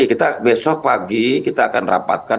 jadi kita besok pagi kita akan rapatkan